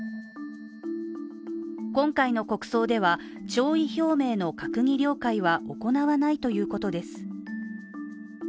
今回の国葬では、弔意表明の閣議了解は行わないということです。